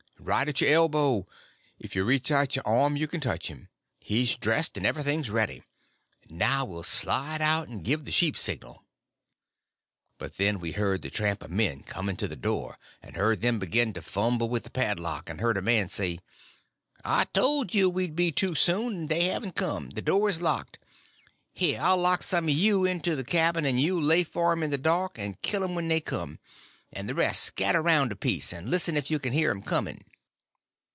"Right at your elbow; if you reach out your arm you can touch him. He's dressed, and everything's ready. Now we'll slide out and give the sheep signal." But then we heard the tramp of men coming to the door, and heard them begin to fumble with the pad lock, and heard a man say: "I told you we'd be too soon; they haven't come—the door is locked. Here, I'll lock some of you into the cabin, and you lay for 'em in the dark and kill 'em when they come; and the rest scatter around a piece, and listen if you can hear 'em coming."